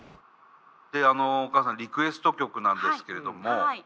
であのお母さんリクエスト曲なんですけれども。